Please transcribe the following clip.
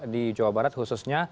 di jawa barat khususnya